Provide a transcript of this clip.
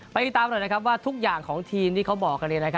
ไปติดตามหน่อยทุกอย่างของทีมที่เขาบอกกันเลย